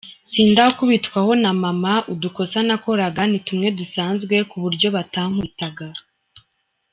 Sindakubitwaho na Mama, udukosa nakoraga ni tumwe dusanzwe ku buryo batankubitaga.